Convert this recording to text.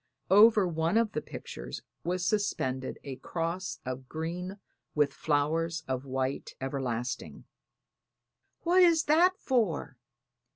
Over one of the pictures was suspended a cross of green with flowers of white everlasting. "What is that for?"